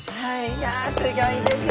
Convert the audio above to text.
いやすギョいですね。